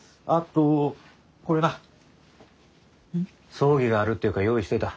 葬儀があるっていうから用意しといた。